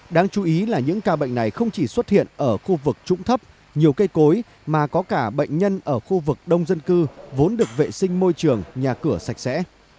đáng chú ý là những ca bệnh này không chỉ xuất hiện ở khu vực trũng thấp nhiều cây cối mà có cả bệnh nhân ở khu vực đông dân cư vốn được vệ sinh môi trường nhà cửa sạch sẽ